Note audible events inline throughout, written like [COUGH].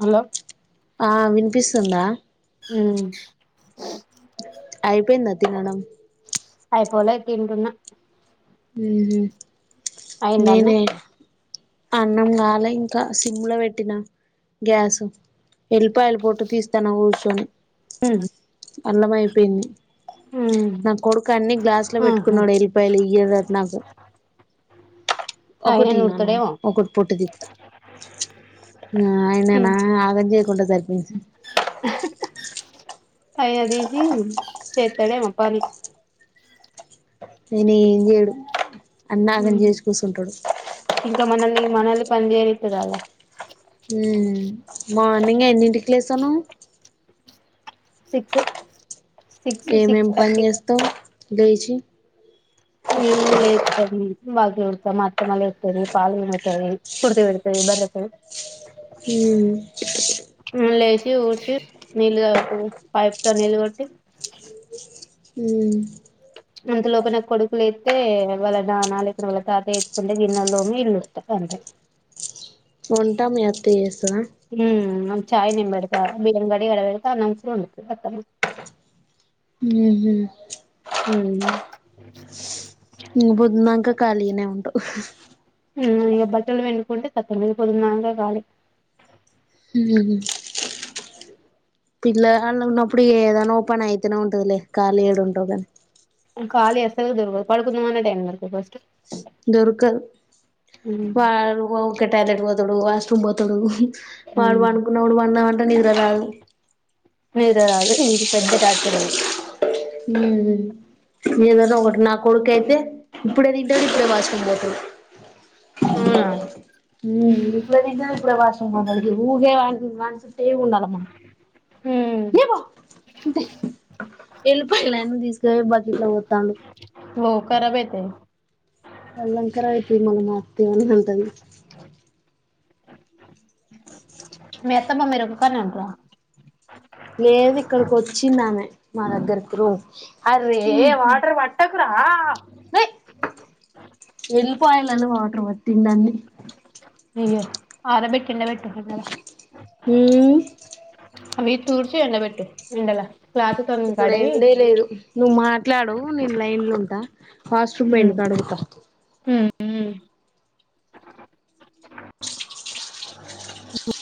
Hello ఆ వినిపిస్తు సుందా ఉమ్ అయిపోయిందా తినటం అయిపోలే తింటున్న ఉహూ అయిందా అన్నం నేనే అన్నం గాల ఇంకా సిమ్ లో పెట్టిన గ్యాస్ ఎల్లిపాయలు పొట్టు తీస్తాన్న కూర్చొని. [UNINTELLIGIBLE] అల్లం అయిపోయింది ఉమ్ నా కొడుకు అన్ని గ్లాస్ లో ఆహా పెట్టుకున్నాడు ఎల్లిపాయలు ఇద ఆయనే ఒకటి నన నూరుతాడేమో ఒకటి పొట్టు తెత్త ఆయన నా ంటరించంది అయ్య డీజీ చేతడే ఏమో పని ఆయన ఏం చేయడు అన్నాగం ఉమ్ చేసి కూచుంటాడు మనలిని పనిజేయనితాడ క్లేషను సిక్స్ సిక్స్ ఏమేం సిక్స్ పని థర్టీ జెస్తావు లేచి ఎంది లేతం మాకేం పని మా అత్తమ్మ లేతది పాలు విండుతది కుర్ది వెడతది బర్రెకు ఊమ్ ఉ షట్ నీళ్ కాకు పైప్తో నీళ్లు కొట్టి ఉమ్ అంతలోపన కొడుకులెతే వాళ్ళ నానాలు ఇక్కడ వాళ్ళ తాత ఎత్తుకుంటే గిన్నలో నీల్లు ఒత్త అంతే వంటా మీ అత్తే యెస్ ఊ మ్మ చాయ్ నింబెడుత బీయంగడిగి ఆడవడుత అన్నం కూర ఓండుతది అత్తమ్మ ఉహు ఊ బొదునాక కాలీగనే ఉంటవ్ ఊ ఇగ బట్టలు విండుకుంటే కత్తమే మీ కొదుందాంగ కాలి ఊ పిల్ల గళ్ళు ఉన్నప్పుడ ఏదా నోపన్ అయితేన ఉంటదిలే కా ఏడు ఉంటగానీ ఖళీ ఎసలు దొరుకుదు పడుకుందమాన టైం దొరకదు ఫస్ట్ దొర్కదు ఉమ్ వా ఊకె టాయిలెట్ వొ తడు వాష్రూమ్ బోతడు హ్ వాడు ఉమ్ పనుకున్నా వాడు పదాం అంటే నిద్ర రాదు మీరా ఇదొక పెద్ద టార్చర్ ఇది ఊమ్ నీ నదా ఒకటి నా కొడుకు అయితే ఇప్పుడు దింటడు ఇప్పుడే వాష్రూమ్ బోతడు అవునా ఊమ్ ఇప్పుడుదింటది ఇప్పుడే వాష్రూమ్ ఇది ఊకే వా వాన్ చుట్టే ఉండలె మనం ఉమ్ ఏమో అంతే ఎల్లిపాయలని తీస్కావోయ్ బకెట్ల ఒతండు ఒ కరాబైతయ్ అల్లంకారం అయితది మా అత్త ఇండ్లనే ఉంటది మీ అత్తమ్ మీరు ఒక్కనే ఉంటర లేదు ఇక్కడికి వచ్చిందామె మా దగ్గరికి రో అర్రే ఉహు వాటర్ వట్టకురా బె ఎళ్ళిపాయలని వాటర్ పట్టిందన్ని అడ బెట్ కిందె బెట్ ఎపటిదాట ఊ అవి తూర్చి ఎండ బెట్టు ఎండల క్లాత్ తోని ఇక్కడ కడిగి ఏండే లేదు నువ్వు మాట్లాడు నేను లైన్లుంట వాష్రూమ్ బోయింది కడుగుతా మ్మ్ మ్మ్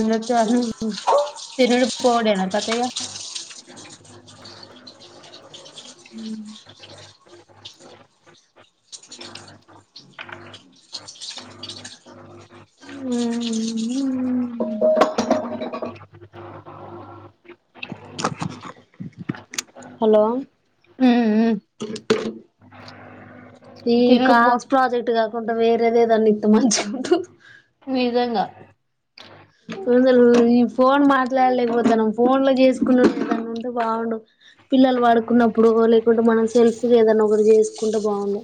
మ తరులుపు పోడనా పతగా మ్మ్ హలో ఈ తినుడు పో కాల్స్ ప్రాజెక్ట్ కాకుండా వేరేదేదన్న ఇత్ ద మంచిగా ఉంటూ నిజంగా ఫుల్లు ఈ ఫోన్ మాట్లాడలేక పోత్ మనం ఫోన్ లో చేసుకున్న ఉంటే బాగుండు పిల్లలు పడుకున్నప్పుడు లేకుంటే మనం సెల్ఫీ ఏదనా ఒకరు చేసుకుంటే బాగుంవు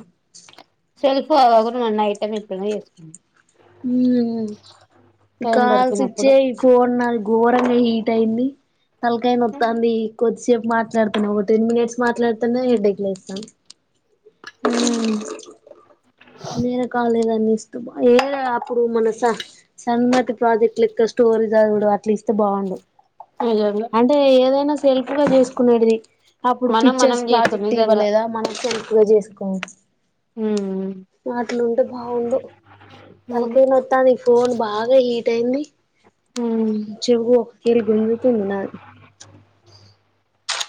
కూడా మన ఐటె ఇప్పుడై చేసుకోండి టైం కాల్ దొరికినప్పుడు సిచ్చే ఫోన్ నా ఘోరంగా హీట్ అయింది తలకాయ నోత్తంది కొద్దిసేపు మాట్లాడుతున్నాం ఒక టెన్ మినిట్స్ మాట్లాడుతనే హెడేక్ వస్తాంది హ్మ్. మేర కాలజ అన్ని ఏ అప్పుడు మన స సన్నతి ప్రాజెక్ట్ యొక్క స్టోరీ చదవడం అట్లీస్ట్ అే బాగుండు నిజంగా అంటే ఏదైనా సెల్ఫ్ గా చూసుకునేడుది అప్పుడు మనం మనం పిక్చర్స్ చేసుకోం ప్రాజెక్ట్ నిజంగా ఇవ్వలేదా మనకి ఎగా చేసుకోం హ వాటిలుంటే బాగుడు అవును. తలకేన వస్తాంది ఫోన్ బాగా హీట్ దన్ని హ్మ్. చెవు ఒక కేేళ గుంజుతుంది నాది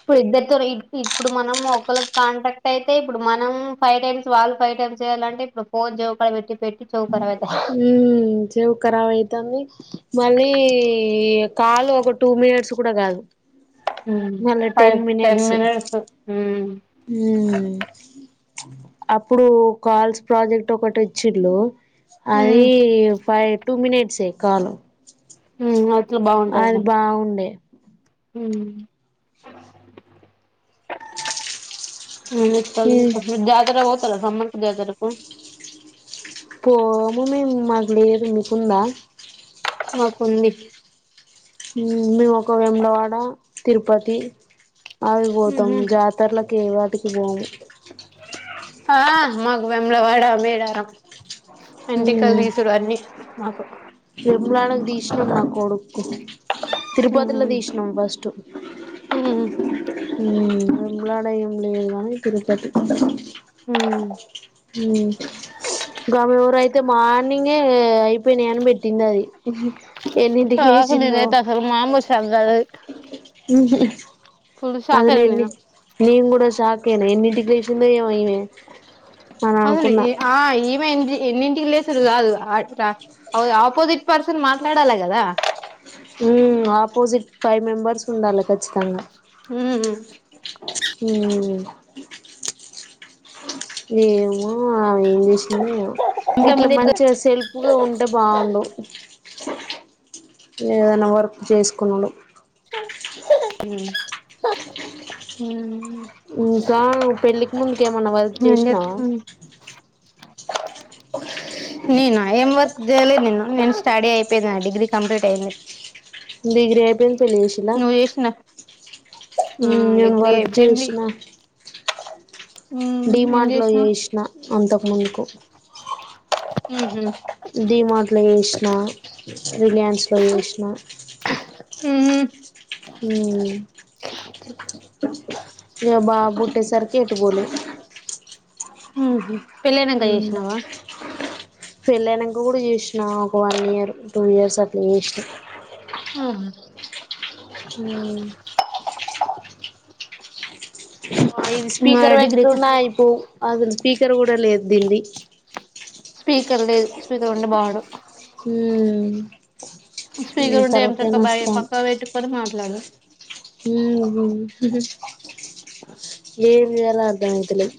ఇప్పుడు ఇద్దరితో ఇప్పుడు మనం ఒకరికి కాంటాక్ట్ అయితే ఇప్పుడు మనం ఫైవ్ టైమ్స్ వాళ్ళు ఫైవ్ టైమ్స్ చెయాలంటే ఇప్పుడు ఫోన్ చేడ పెట్టి చౌకర అవుతాయి హ చెవ కవ ఇతంది మళ్ళీ కాలు ఒక టూ మినిట్స్ కూడా కాదు మళ్ళా five ten minutes minutes um అప్పుడు కాల్స్ ప్రాజెక్ట్ ఒకటి వచ్చిండే అది హ్మ్. ఫైవ్ టూ మినిట్సే కాలు మ్మ్ అద్ అది బాగుండే ఉ ఉమ్ ఉ జాతర పోతారా సమ్మర్ ఇదే తరికు పోము మాకు లేదు అనుకున్న మాకుంది మేము ఒక వెముడవాడ, తిరుపతి అవి పోతాం ఉహు జాతరలకి ఏ వాటికి పోము ఆ మాకు వేములవాడ మేడారం అంటేకాళ తీసుడు అన్నీ మాకు తిరుమలనకు తీశినం నా కొడుకు ఉహు తిరుపతిలో తీసినం ఫస్ట్ ఉమ్ ఉ వేములవాడ ఏం లేదు కానీ తరుపతి కొండ ఉ ఉ గమవర అయితే మాని ఏ అయిపోయినాయి అని పెట్టింది అది ఎన్నింటికి షాక్ లేచిందో నేనైతే అసలు మామూలు షాక్ కాదు అది ఉహు ఫుల్ షాక్ అదిలి అయిన ఎన్ని నేను నేను కూడా షాక్ అయిన ఎన్ని ఎట్లా చేసిందో ఏమో ఈమె అని అదీ అనుకున్నా ఆ ఏమైంది ఎన్నింటికి లేసురు రాదు ఆపోజిట్ పర్సన్ మాట్లాడాలా కదా ఉ ఆపోజిట్ ఫైవ్ మెంబర్స్ ఉండాలి ఖచ్చితంగా ఉ వో ఏమో ఆమె ఏం చేసిందో ఏమో ఇట్ల ఇంతమంది మంచిగా సెల్ఫగా ఉంటే బాగుండు ఏదైనా వర్క్ చేసుకున్నుడు ఉ హు ఇంకా నువ్వు పెళ్లికి ముందు ఏమన్నా వర్క్ ఏం చేసినావా చెప్తాను నేనా ఏం వర్క్ చేయలేదు నేను స్టడీ అయిపోయింది నా డిగ్రీ కంప్లీట్ అయింది డిగ్రీ అయి పెళ్ పెళ్లి చేసిందా నువ్వు చేసిన ఆ నేను డిగ్రీ వర్క్ అయిపోయింది చేసినా మ్మ్ ఏం డిమార్ట్ లో చేసినావ్ చేసిన అంతకు మునుకు ఉ హూ డిమార్ట్లో చేసిన రిలయన్స్లో చేసిన [UNINTELLIGIBLE] ఊ [UNINTELLIGIBLE] ఇక బాబు పుట్టేసరికి ఎటు పోలేదు. ఉహు పెళ్ళనాంకా చేసినావా. ఇంకా కూడా చూసినా ఒక వన్ ఇయర్, టూ ఇయర్స్ అట్లా చేసాం. ఉహు హ [UNINTELLIGIBLE] అయి నా స్పీకర్ డిగ్రీ పెట్టుకున్నా అయిపోయు స్పీకర్ కూడా లేదు దీనికి స్పీకర్ లేదు, స్పీకర్ ఉండే బాగుండు. హ స్పీకర్ ఉంటే ఏం తలకాయ చక్క బ నొస్తోంది. పక్క పెట్టుకొని మాట్లాడు ఉహు ఏ ఏం చేయాలో అర్థం అయితలేదు.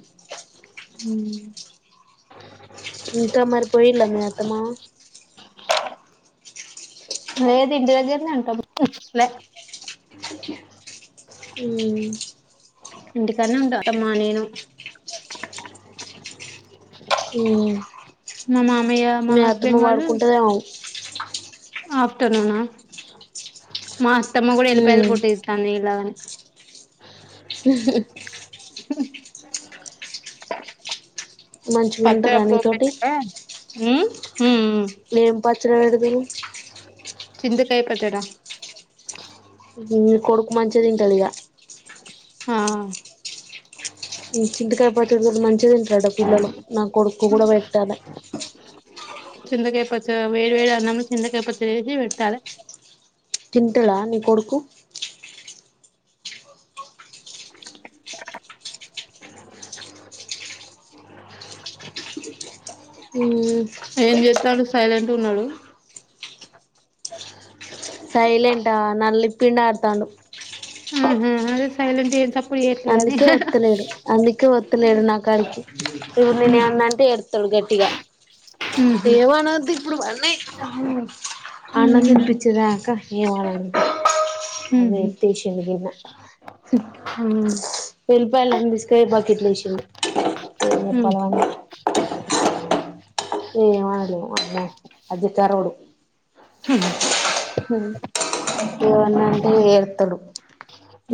హ ఇంకా మరిపోయిల మీ అత్త మామ లేదు ఇంటి దగ్గరనే ఉంటాము లే హుమ్మ్ ఇంటికనే ఉంటామ్మా అత్తమ్మ నేను మా మామయ్య మా మీ అత్తమ హస్బెండ్ పడుకుంటదేమొ హూ [UNINTELLIGIBLE] ఆఫ్టర్నూన్నా మా అతమ్మ కూడా ఎలిపయలు పొట్టు తీస్తోంది నీ లాగానే. [UNINTELLIGIBLE] [UNINTELLIGIBLE] మంచిగుంటదా నితోటి ఊ నేం పాత్ర ఏడుదు చింతకాయ పచ్చడ ఇ కొడుకు మంచిగా తింటాదిగా ఆ చింతకాయపచ్చడి తో మంచిగా తింటాడు. పిల్లలు నా కొడుకు కూడా పెట్టాలి. చింతకాయ పచ్చడి వేడి వేడి అన్నం లో చింతకాయ పచ్చడి వేసి పెట్టాలి. తింటాడా ని కొడుకు [UNINTELLIGIBLE] ఊ ఏం చేస తాడు సైలెంట్ ఉన్నాడు. సైలెంటా నల్లి పిండి ఆడతాండు ఆహ అదే సైలెంట్ గా ఏం స అందుకే ఒత్తలేడు అందుకే వ వత్తలేడు నా కాడికి ఇప్పుడు నేను ఏమన్న అంటే ఏడు ఇగ ఉహు ఏమనద్దు ఇప్పుడు వాన్ని అన్నమ్ తినిపించేదాక ఏమనను అదే ఎతేసింది విన్న ఉహు వెళ్ళిపోయళన్ని తీసుకెళ్లి బకెట్లు వేసిండు చెప్పాలి ఉహు వాడి ఏవన్నా అంటే ఏడుత్తడు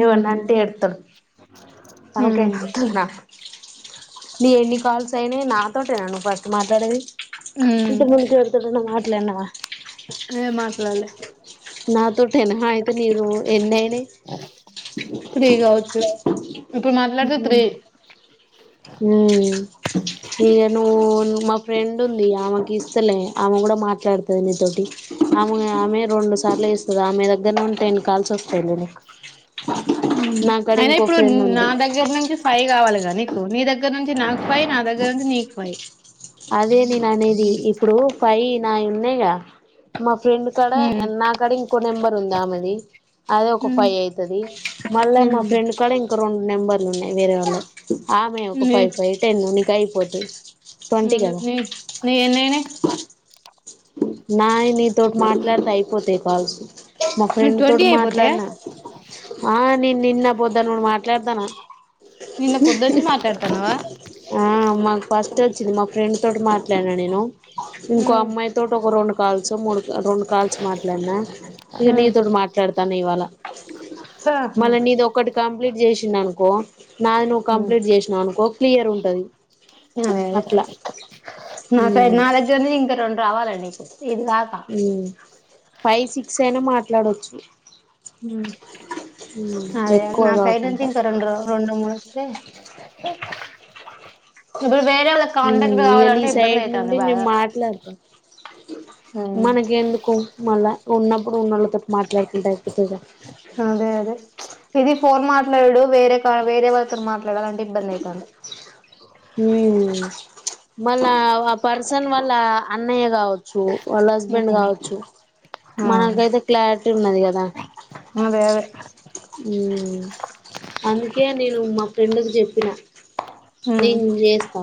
ఏవన్నా ఉమ్ అంటే ఏడుత్తడు [UNINTELLIGIBLE] నీ ఎన్ని కాల్స్ అయినాయి నాతోటేనా నువ్వు ఫస్ట్ మాట్లాడేది ఉమ్ ఇంత ముందు ఎవరి తోటి అయినా మా మాట్లాన్నవ లే మాట్లాల్లె నాతోటేన అయితే నీది నువ్వు ఎన్నైయినయ్ త్రీ కావచ్చు ఇప్పుడు మాట్లాడితే త్రీ ఇక నువ్వు మా ఫ్రెండ్ ఉంది ఆమెకి ఇస్తలే ఆమె కూడా మాట్లాడుతది నీతోటి ఆమె ఆమె రెండు సార్లు చేస్తది ఆమె దగ్గర నుండి టెన్ కాల్స్ వస్తాయి లే నీకు ఉ నాకాడ అయినా ఇంకో ఇప్పుడు ఫ్రెండ్ నా ఉంది దగ్గ దగ్గర నుంచి ఫైవ్ కావాలిగా నీకు నీ దగ్గ నుంచి నా ఫైవ్ నా దగ్గర నీకు ఫైవ్ అదే నేను అనేది ఇప్పుడు ఫైవ్ నా ఉన్నాయిగా మా ఫ్రె ఫ్రెండ్ కాడ నాకాడ ఇంకో నెంబర్ ఉంది ఆమెది అదె ఒక ఫైవ్ అయితది మళ్ళా మా ఫ్రెండ్ కూడా ఇంకో రెండు నెంబర్లు ఉన్నాయి వేరే వాళ్ళ ఆమె ఒక నీ ఫైవ్ ఫైవ్ టెన్ నీకు అయిపోతది ముందు నీ నీవెన్నైనాయ్ నాయి నీ తోట్ మాట్లాడితే అయిపోతాయ్ కాల్స్ మా నువ్వు ఫ్రెండ్ ట్వంటీ తోటి అయిపోతాయా మాట్లాడినా ఆ నిన్ను నిన్న పో [UNINTELLIGIBLE] నిన్న నిన్న పొద్దునుంచి మాట్లాడుతున్నావా మా ఫ్రెండ్ తోటి మాట్లాడినా నేను ఇంకో అమ్మాయి రెండు కాల్సో మూడు గ రొండు కాల్స్ మాట్లాడినా ఇగ నీతోటి మాట్లాడతాన ఇవాళ మళ్ళ నీది ఒకటి కంప్లీట్ చేసినను కో మ్మ్ ఉంటది ఆ అదే అట్లా నా సైడ్ నా దగ్గరది ఇంకా రెండు రావాలండి నీకు ఇది కాక మ్మ్ ఫైవ్ సిక్స్ అయిన మాట్లా ట్లాడొచ్చు మ్మ్ అదే ఎక్కువ నా సైడ్ నుంచి కాకుండా ఇంక రొండు రొండు మూడు వస్తె ఇప్పుడు వేరే వాళ్ళకి కాంటాక్ట్ ఉమ్ ఇక నీ కావాలంటే ఇబ్బంది అయితంది బాగా మనక ఎందుకు మళ్ళా ఉన్నప్పుడు, ఉన్నళ్ళతో మాట్లాడుకుంటా అయిపోతిగ. అదే అదే ఇది ఫోన్ మాట్లాడుడు వేరే కా వేరే వాళ్ళతో, మాట్లాడాలంటే ఇబ్బంది అయితాన్. మ్మ్ మొన్న ఆ గా పర్సన్ వర్ వాళ్ళ అన్నయ్య కావచ్చు వాళ్ళ హస్బెండ్ కావచ్చు ఉమ్ మనకైతే క్లారిటీ ఉన్నది కదా అదే అదే ఉమ్ అందుకే నేను మ ఫ్రెండ్ కి చెప్పిన ఉమ్ నేన్ చేస్తా